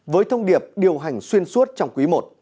với thông điệp điều hành xuyên suốt trong quý i